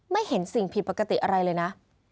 ไม่เห็นสิ่งผิดปกติอะไรเลยนะ